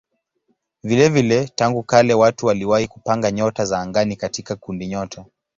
Vilevile tangu kale watu waliwahi kupanga nyota za angani katika kundinyota.